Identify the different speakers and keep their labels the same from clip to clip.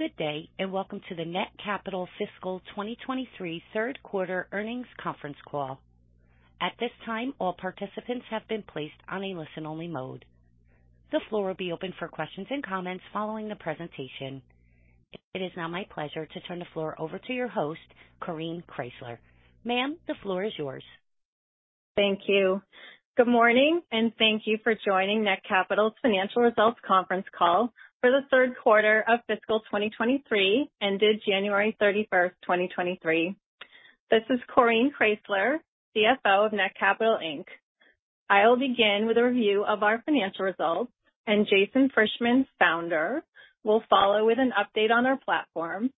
Speaker 1: Good day, welcome to the Netcapital fiscal 2023 third quarter earnings conference call. At this time, all participants have been placed on a listen-only mode. The floor will be open for questions and comments following the presentation. It is now my pleasure to turn the floor over to your host, Coreen Kraysler. Ma'am, the floor is yours.
Speaker 2: Thank you. Good morning, and thank you for joining Netcapital's financial results conference call for the third quarter of fiscal 2023 ended January 31st, 2023. This is Coreen Kraysler, CFO of Netcapital Inc. I'll begin with a review of our financial results andJason Frishman, founder, will follow with an update on our platform.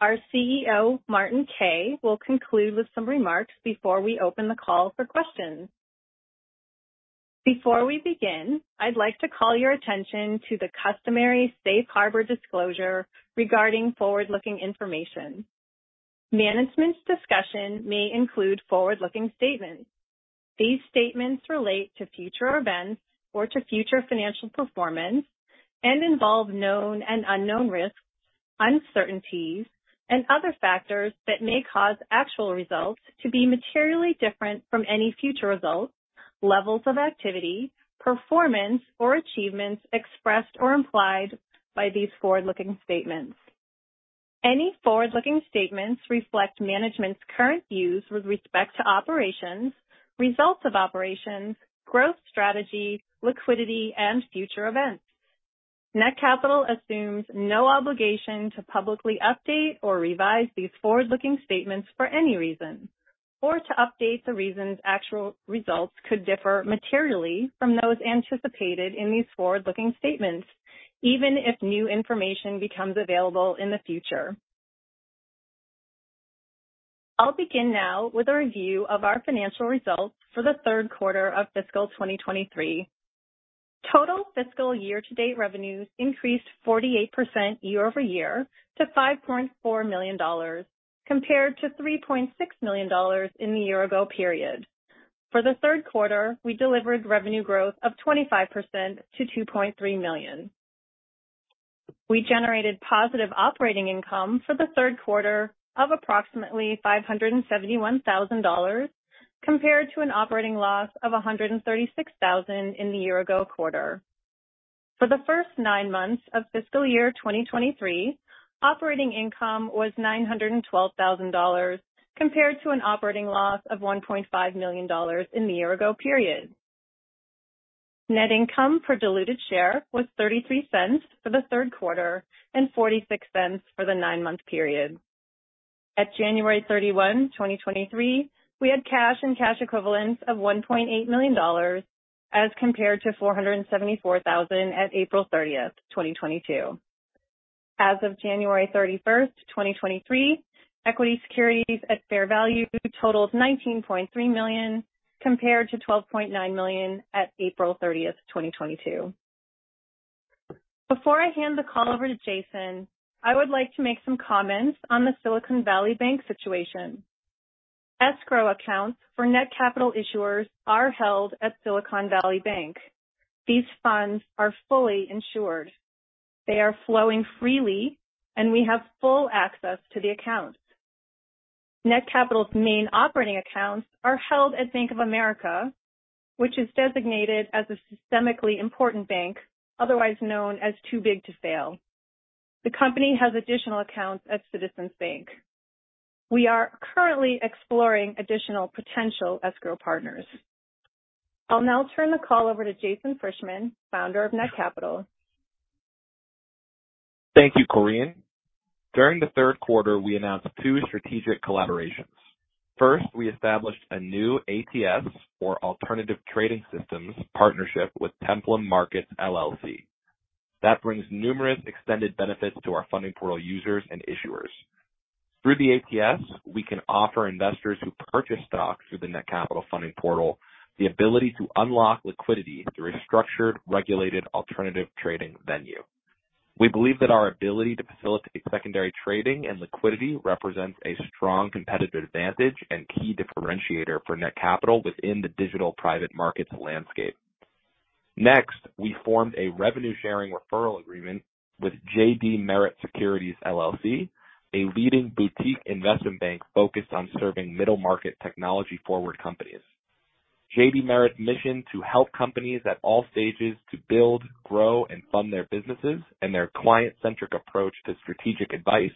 Speaker 2: Our CEO, Martin Kay, will conclude with some remarks before we open the call for questions. Before we begin, I'd like to call your attention to the customary Safe Harbor Disclosure regarding forward-looking information. Management's discussion may include forward-looking statements. These statements relate to future events or to future financial performance and involve known and unknown risks, uncertainties, and other factors that may cause actual results to be materially different from any future results, levels of activity, performance, or achievements expressed or implied by these forward-looking statements. Any forward-looking statements reflect management's current views with respect to operations, results of operations, growth strategy, liquidity, and future events. Netcapital assumes no obligation to publicly update or revise these forward-looking statements for any reason, or to update the reasons actual results could differ materially from those anticipated in these forward-looking statements, even if new information becomes available in the future. I'll begin now with a review of our financial results for the third quarter of fiscal 2023. Total fiscal year-to-date revenues increased 48% year-over-year to $5.4 million compared to $3.6 million in the year-ago period. For the third quarter, we delivered revenue growth of 25% to $2.3 million. We generated positive operating income for the third quarter of approximately $571,000 compared to an operating loss of $136,000 in the year-ago quarter. For the first nine months of fiscal year 2023, operating income was $912,000 compared to an operating loss of $1.5 million in the year-ago period. Net income per diluted share was $0.33 for the third quarter and $0.46 for the nine-month period. At January 31, 2023, we had cash and cash equivalents of $1.8 million as compared to $474,000 at April 30, 2022. As of January 31st, 2023, equity securities at fair value totals $19.3 million compared to $12.9 million at April 30th, 2022. Before I hand the call over to Jason, I would like to make some comments on the Silicon Valley Bank situation. Escrow accounts for Netcapital issuers are held at Silicon Valley Bank. These funds are fully insured. They are flowing freely, and we have full access to the accounts. Netcapital's main operating accounts are held at Bank of America, which is designated as a systemically important bank, otherwise known as too big to fail. The company has additional accounts at Citizens Bank. We are currently exploring additional potential escrow partners. I'll now turn the call over to Jason Frishman, Founder of Netcapital.
Speaker 3: Thank you, Coreen. During the third quarter, we announced two strategic collaborations. First, we established a new ATS, or alternative trading systems, partnership with Templum Markets LLC. That brings numerous extended benefits to our funding portal users and issuers. Through the ATS, we can offer investors who purchase stocks through the Netcapital funding portal the ability to unlock liquidity through a structured, regulated alternative trading venue. We believe that our ability to facilitate secondary trading and liquidity represents a strong competitive advantage and key differentiator for Netcapital within the digital private markets landscape. Next, we formed a revenue-sharing referral agreement with JD Merit Securities, LLC, a leading boutique investment bank focused on serving middle-market technology-forward companies. JD Merit's mission to help companies at all stages to build, grow, and fund their businesses and their client-centric approach to strategic advice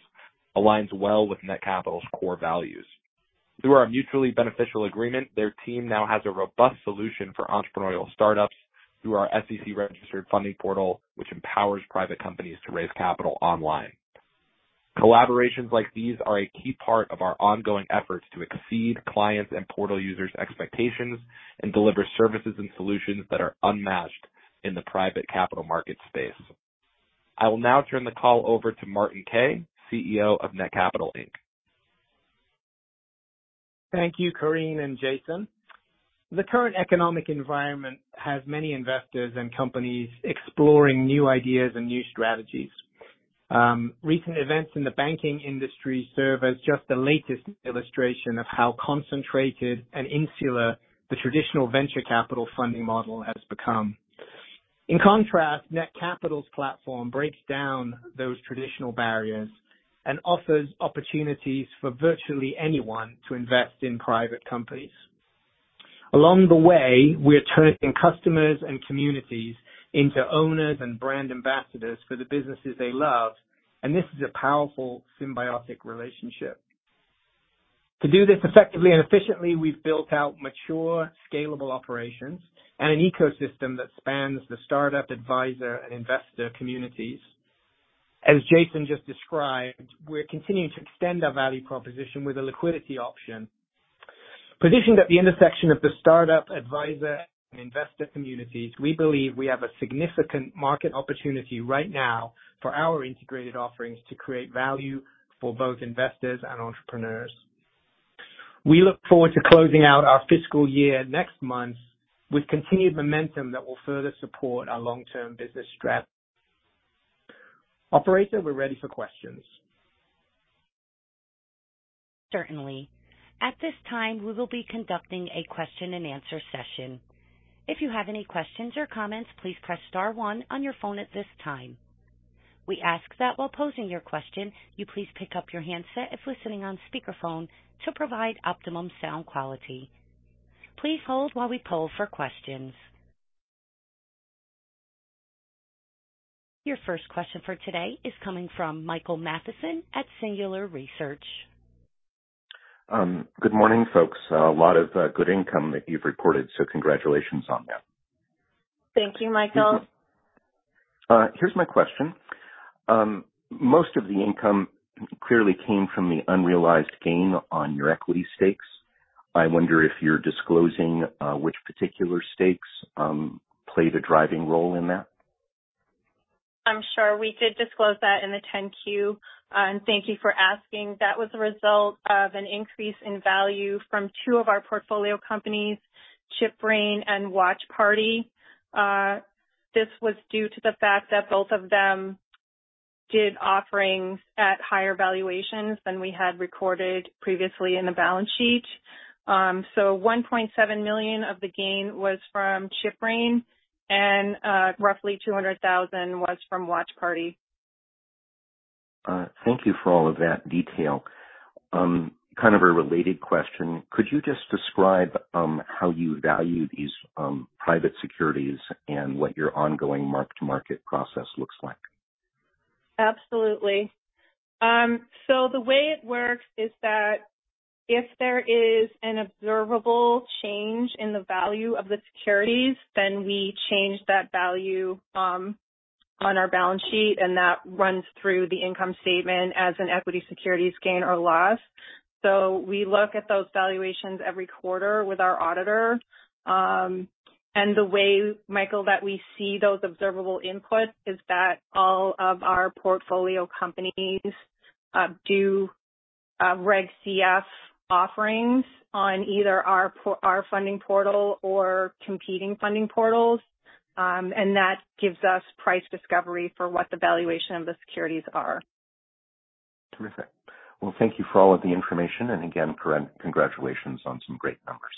Speaker 3: aligns well with Netcapital's core values. Through our mutually beneficial agreement, their team now has a robust solution for entrepreneurial startups through our SEC-registered funding portal, which empowers private companies to raise capital online. Collaborations like these are a key part of our ongoing efforts to exceed clients' and portal users' expectations and deliver services and solutions that are unmatched in the private capital market space. I will now turn the call over to Martin Kay, CEO of Netcapital Inc.
Speaker 4: Thank you, Coreen and Jason. The current economic environment has many investors and companies exploring new ideas and new strategies. Recent events in the banking industry serve as just the latest illustration of how concentrated and insular the traditional venture capital funding model has become. In contrast, Netcapital's platform breaks down those traditional barriers and offers opportunities for virtually anyone to invest in private companies. Along the way, we're turning customers and communities into owners and brand ambassadors for the businesses they love, and this is a powerful symbiotic relationship. To do this effectively and efficiently, we've built out mature, scalable operations and an ecosystem that spans the startup, advisor, and investor communities. As Jason just described, we're continuing to extend our value proposition with a liquidity option. Positioned at the intersection of the startup, advisor, and investor communities, we believe we have a significant market opportunity right now for our integrated offerings to create value for both investors and entrepreneurs. We look forward to closing out our fiscal year next month with continued momentum that will further support our long-term business strategy. Operator, we're ready for questions.
Speaker 1: Certainly. At this time, we will be conducting a question-and-answer session. If you have any questions or comments, please press star one on your phone at this time. We ask that while posing your question, you please pick up your handset if listening on speakerphone to provide optimum sound quality. Please hold while we poll for questions. Your first question for today is coming from Michael Mathison at Singular Research.
Speaker 5: Good morning, folks. A lot of good income that you've reported, so congratulations on that.
Speaker 2: Thank you, Michael.
Speaker 5: Here's my question. Most of the income clearly came from the unrealized gain on your equity stakes. I wonder if you're disclosing which particular stakes played a driving role in that.
Speaker 2: I'm sure we did disclose that in the 10-Q. Thank you for asking. That was a result of an increase in value from two of our portfolio companies, ChipBrain and Watch Party. This was due to the fact that both of them did offerings at higher valuations than we had recorded previously in the balance sheet. $1.7 million of the gain was from ChipBrain and roughly $200,000 was from Watch Party.
Speaker 5: Thank you for all of that detail. Kind of a related question. Could you just describe how you value these private securities and what your ongoing mark-to-market process looks like?
Speaker 2: Absolutely. The way it works is that if there is an observable change in the value of the securities, then we change that value on our balance sheet, and that runs through the income statement as an equity securities gain or loss. We look at those valuations every quarter with our auditor. The way, Michael, that we see those observable inputs is that all of our portfolio companies do Reg CF offerings on either our funding portal or competing funding portals. That gives us price discovery for what the valuation of the securities are.
Speaker 5: Terrific. Well, thank you for all of the information and again, Coreen, congratulations on some great numbers.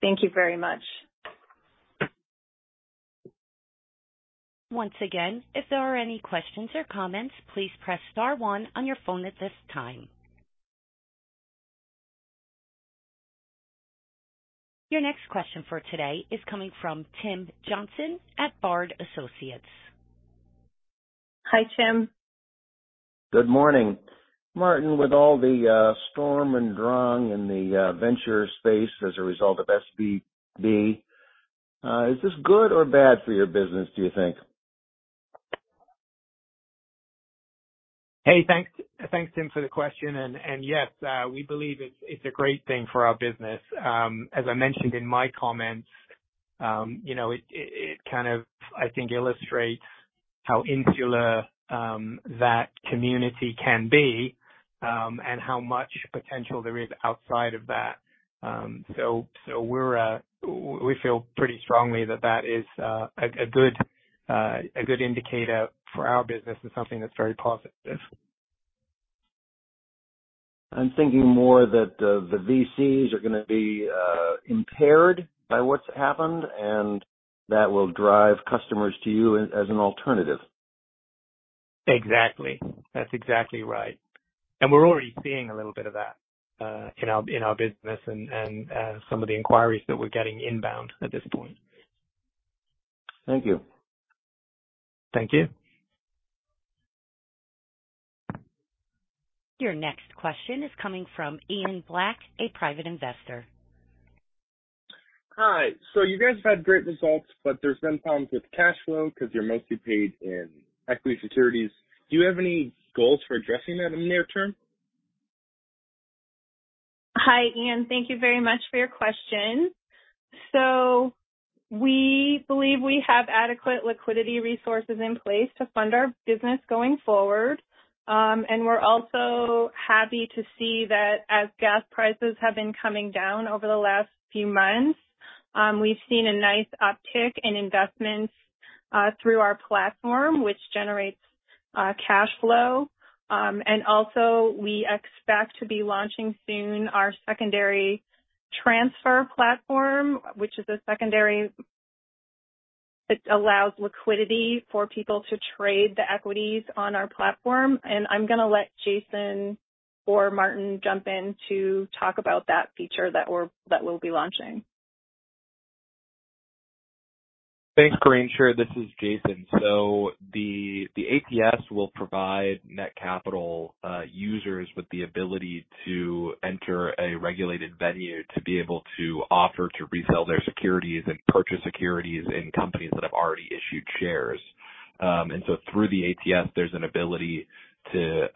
Speaker 2: Thank you very much.
Speaker 1: Once again, if there are any questions or comments, please press star one on your phone at this time. Your next question for today is coming from Tim Johnson at Bard Associates.
Speaker 2: Hi, Tim.
Speaker 6: Good morning. Martin, with all the Sturm und Drang in the venture space as a result of SVB, is this good or bad for your business, do you think?
Speaker 4: Hey, thanks, Tim, for the question. Yes, we believe it's a great thing for our business. As I mentioned in my comments, you know, it kind of, I think illustrates how insular that community can be and how much potential there is outside of that. We feel pretty strongly that that is a good indicator for our business and something that's very positive.
Speaker 6: I'm thinking more that the VCs are going to be impaired by what's happened and that will drive customers to you as an alternative.
Speaker 4: Exactly. That's exactly right. We're already seeing a little bit of that, in our business and some of the inquiries that we're getting inbound at this point.
Speaker 6: Thank you.
Speaker 1: Your next question is coming from Ian Black, a private investor.
Speaker 7: Hi. You guys have had great results, but there's been problems with cash flow because you're mostly paid in equity securities. Do you have any goals for addressing that in the near term?
Speaker 2: Hi, Ian. Thank you very much for your question. We believe we have adequate liquidity resources in place to fund our business going forward. We're also happy to see that as gas prices have been coming down over the last few months, we've seen a nice uptick in investments through our platform, which generates cash flow. Also, we expect to be launching soon our secondary transfer platform. It allows liquidity for people to trade the equities on our platform. I'm going to let Jason or Martin jump in to talk about that feature that we'll be launching.
Speaker 3: Thanks, Coreen. Sure. This is Jason. The ATS will provide Netcapital users with the ability to enter a regulated venue to be able to offer to resell their securities and purchase securities in companies that have already issued shares. Through the ATS, there's an ability to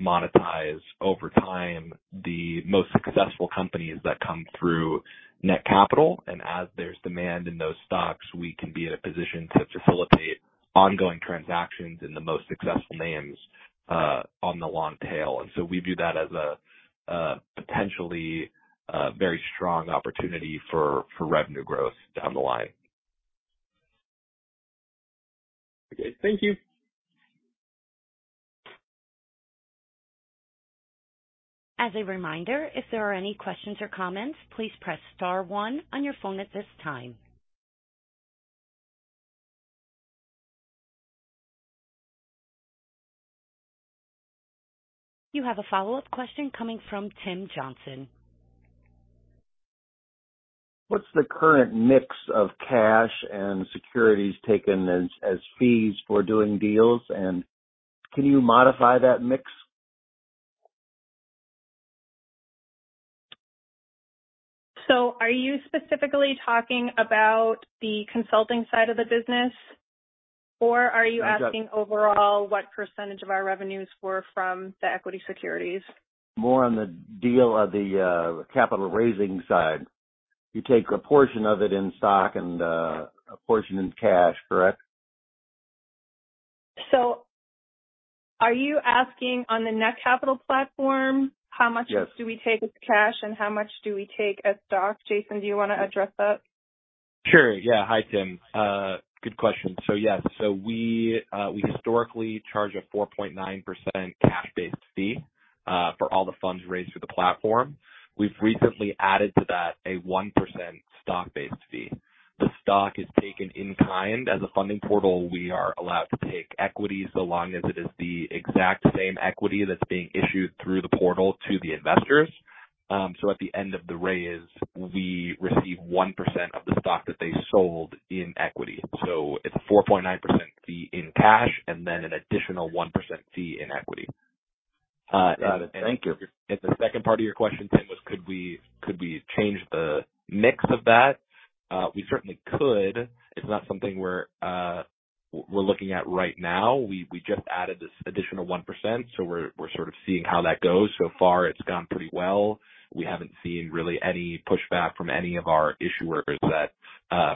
Speaker 3: monetize over time the most successful companies that come through Netcapital. As there's demand in those stocks, we can be in a position to facilitate ongoing transactions in the most successful names on the long tail. We view that as a potentially very strong opportunity for revenue growth down the line.
Speaker 7: Okay. Thank you.
Speaker 1: As a reminder, if there are any questions or comments, please press star one on your phone at this time. You have a follow-up question coming from Tim Johnson.
Speaker 6: What's the current mix of cash and securities taken as fees for doing deals, and can you modify that mix?
Speaker 2: Are you specifically talking about the consulting side of the business? Or are you asking overall what % of our revenues were from the equity securities?
Speaker 6: More on the deal of the capital raising side. You take a portion of it in stock and a portion in cash, correct?
Speaker 2: Are you asking on the Netcapital platform, how much?
Speaker 6: Yes.
Speaker 2: Do we take as cash and how much do we take as stock? Jason, do you want to address that?
Speaker 3: Sure, yeah. Hi, Tim. Good question. Yes. We historically charge a 4.9% cash-based fee, for all the funds raised through the platform. We've recently added to that a 1% stock-based fee. The stock is taken in kind. As a funding portal, we are allowed to take equity so long as it is the exact same equity that's being issued through the portal to the investors. At the end of the raise, we receive 1% of the stock that they sold in equity. It's a 4.9% fee in cash and then an additional 1% fee in equity.
Speaker 6: Thank you.
Speaker 3: If the second part of your question, Tim, was could we change the mix of that? We certainly could. It's not something we're looking at right now. We just added this additional 1%, we're sort of seeing how that goes. So far, it's gone pretty well. We haven't seen really any pushback from any of our issuers that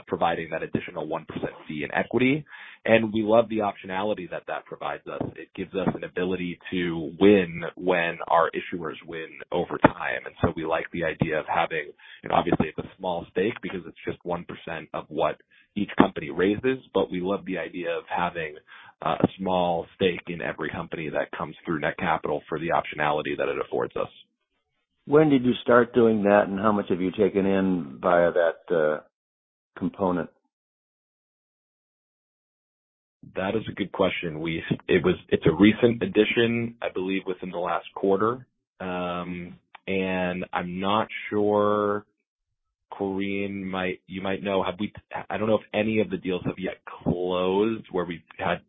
Speaker 3: providing that additional 1% fee in equity. We love the optionality that that provides us. It gives us an ability to win when our issuers win over time. We like the idea of having, you know, obviously, it's a small stake because it's just 1% of what each company raises, but we love the idea of having a small stake in every company that comes through Netcapital for the optionality that it affords us.
Speaker 6: When did you start doing that and how much have you taken in via that component?
Speaker 3: That is a good question. It's a recent addition, I believe within the last quarter. I'm not sure. Coreen, you might know. I don't know if any of the deals have yet closed where we've had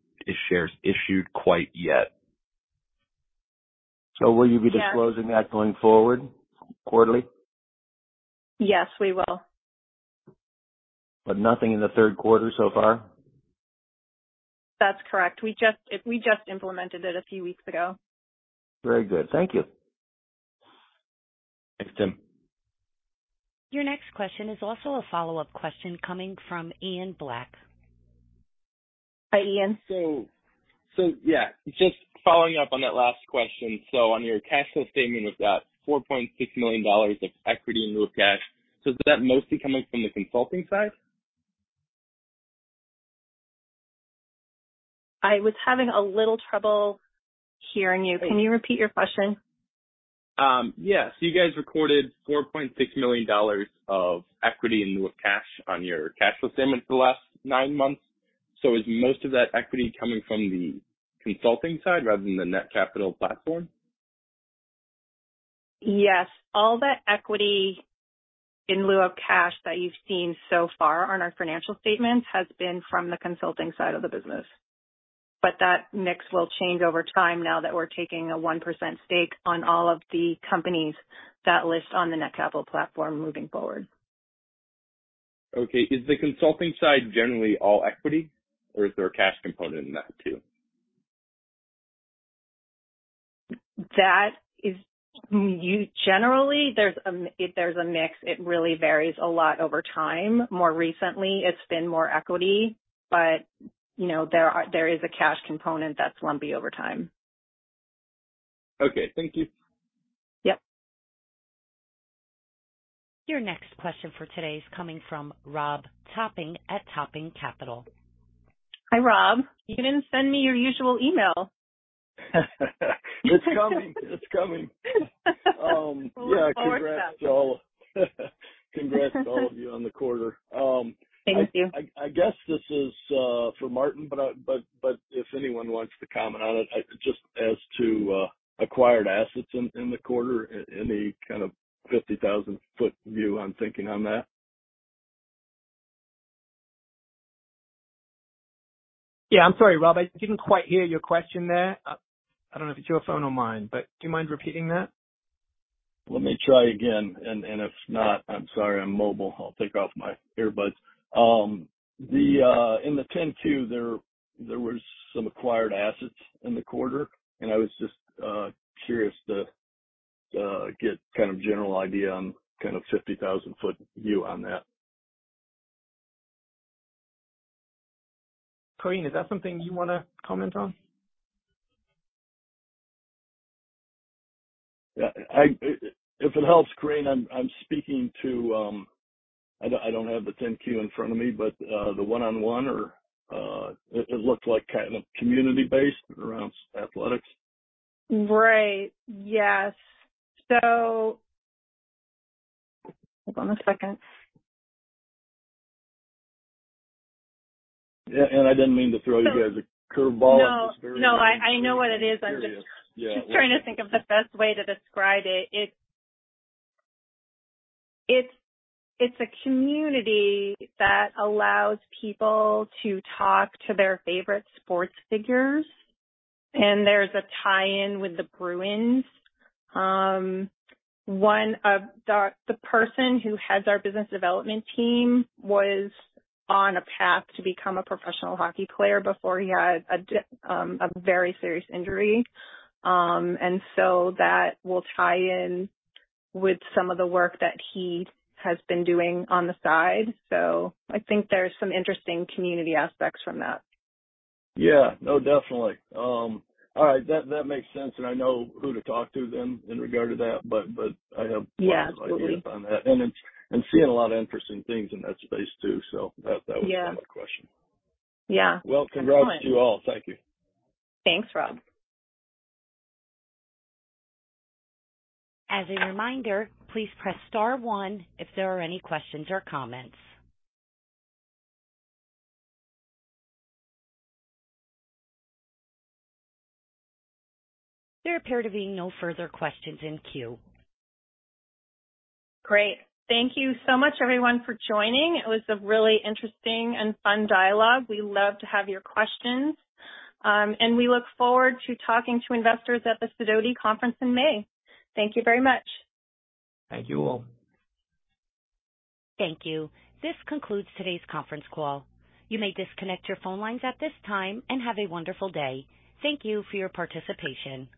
Speaker 3: shares issued quite yet.
Speaker 6: Will you be disclosing that going forward quarterly?
Speaker 2: Yes, we will.
Speaker 6: Nothing in the third quarter so far?
Speaker 2: That's correct. We just implemented it a few weeks ago.
Speaker 6: Very good. Thank you.
Speaker 3: Thanks, Tim.
Speaker 1: Your next question is also a follow-up question coming from Ian Black.
Speaker 2: Hi, Ian.
Speaker 7: Yeah, just following up on that last question. On your cash flow statement, you've got $4.6 million of equity in lieu of cash. Is that mostly coming from the consulting side?
Speaker 2: I was having a little trouble hearing you. Can you repeat your question?
Speaker 7: Yes. You guys recorded $4.6 million of equity in lieu of cash on your cash flow statement for the last nine months. Is most of that equity coming from the consulting side rather than the Netcapital platform?
Speaker 2: Yes. All the equity in lieu of cash that you've seen so far on our financial statements has been from the consulting side of the business. That mix will change over time now that we're taking a 1% stake on all of the companies that list on the Netcapital platform moving forward.
Speaker 7: Is the consulting side generally all equity, or is there a cash component in that too?
Speaker 2: Generally, if there's a mix, it really varies a lot over time. More recently, it's been more equity, but, you know, there is a cash component that's lumpy over time.
Speaker 7: Okay, thank you.
Speaker 2: Yep.
Speaker 1: Your next question for today is coming from Rob Topping at Topping Capital.
Speaker 2: Hi, Rob. You didn't send me your usual email.
Speaker 8: It's coming. It's coming.
Speaker 2: We'll look forward to that.
Speaker 8: Yeah, congrats to all. Congrats to all of you on the quarter.
Speaker 2: Thank you.
Speaker 8: I guess this is for Martin, but if anyone wants to comment on it, just as to acquired assets in the quarter, any kind of 50,000-foot view on thinking on that?
Speaker 4: Yeah. I'm sorry, Rob, I didn't quite hear your question there. I don't know if it's your phone or mine, but do you mind repeating that?
Speaker 8: Let me try again, and if not, I'm sorry, I'm mobile. I'll take off my earbuds. In the 10-Q, there was some acquired assets in the quarter, I was just curious to get kind of a general idea on kind of 50,000-foot view on that.
Speaker 4: Coreen, is that something you want to comment on?
Speaker 8: Yeah, If it helps, Coreen, I'm speaking to... I don't have the 10-Q in front of me, but the one-on-one or it looked like kind of community-based around athletics?
Speaker 2: Right. Yes. Hold on one second.
Speaker 8: Yeah, I didn't mean to throw you guys a curve ball.
Speaker 2: No, I know what it is.
Speaker 8: I'm just curious. Yeah.
Speaker 2: I'm just trying to think of the best way to describe it. It's a community that allows people to talk to their favorite sports figures, and there's a tie-in with the Bruins. One of the person who heads our business development team was on a path to become a professional hockey player before he had a very serious injury. That will tie in with some of the work that he has been doing on the side. I think there's some interesting community aspects from that.
Speaker 8: Yeah. No, definitely. All right. That makes sense, and I know who to talk to then in regard to that, but.
Speaker 2: Yeah. Absolutely.
Speaker 8: lots of ideas on that. It's, I'm seeing a lot of interesting things in that space, too. That, that was-
Speaker 2: Yeah.
Speaker 8: -my question.
Speaker 2: Yeah.
Speaker 8: Well, congrats to you all. Thank you.
Speaker 2: Thanks, Rob.
Speaker 1: As a reminder, please press star one if there are any questions or comments. There appear to be no further questions in queue.
Speaker 2: Great. Thank you so much, everyone, for joining. It was a really interesting and fun dialogue. We love to have your questions. We look forward to talking to investors at the Sidoti conference in May. Thank you very much.
Speaker 4: Thank you all.
Speaker 1: Thank you. This concludes today's conference call. You may disconnect your phone lines at this time. Have a wonderful day. Thank you for your participation.